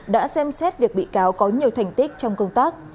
đã xem xét việc bị cáo có nhiều thành tích trong công tác